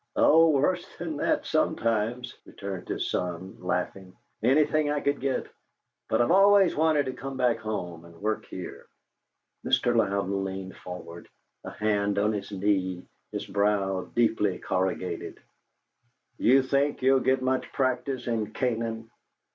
"Oh, worse than that, sometimes," returned his son, laughing. "Anything I could get. But I've always wanted to come back home and work here." Mr. Louden leaned forward, a hand on each knee, his brow deeply corrugated. "Do you think you'll get much practice in Canaan?"